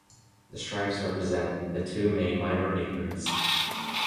The stripes represent the two main minority groups.